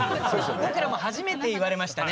僕らも初めて言われましたね。